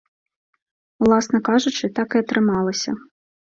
Уласна кажучы, так і атрымалася.